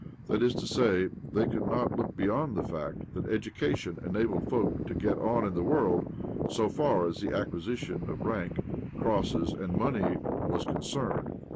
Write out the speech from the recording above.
That is to say, they could not look beyond the fact that education enabled folk to get on in the world so far as the acquisition of rank, crosses, and money was concerned.